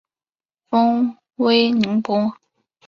封威宁伯。